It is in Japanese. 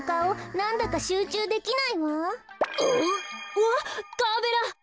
うわっガーベラ！